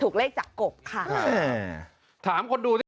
ถูกเลขจากกบค่ะ